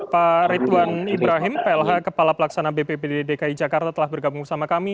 pak ritwan ibrahim plh kepala pelaksana bppd dki jakarta telah bergabung bersama kami